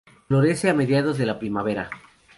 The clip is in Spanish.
Florece a mediados de la primavera.